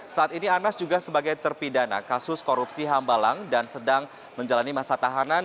saat ini anas juga sebagai terpidana kasus korupsi hambalang dan sedang menjalani masa tahanan